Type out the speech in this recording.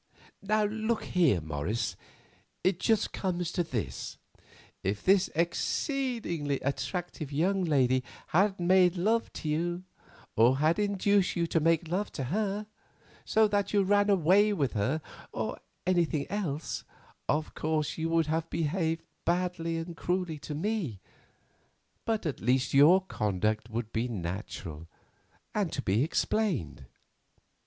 Look here, Morris, it just comes to this: If this exceedingly attractive young lady had made love to you, or had induced you to make love to her, so that you ran away with her, or anything else, of course you would have behaved badly and cruelly to me, but at least your conduct would be natural, and to be explained.